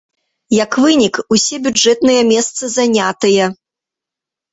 Як вынік, усе бюджэтныя месцы занятыя.